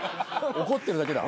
怒ってるだけだ。